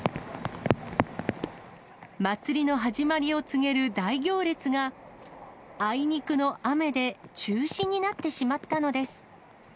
祭りの始まりを告げる大行列があいにくの雨で中止になってしまったのです。